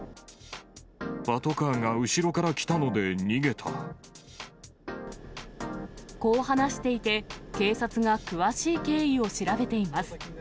パトカーが後ろから来たのでこう話していて、警察が詳しい経緯を調べています。